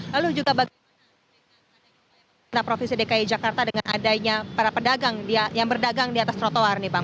lalu juga bagaimana dengan provinsi dki jakarta dengan adanya para pedagang yang berdagang di atas trotoar nih bang